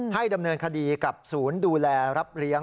ดำเนินคดีกับศูนย์ดูแลรับเลี้ยง